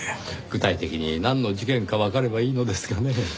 具体的になんの事件かわかればいいのですがねぇ。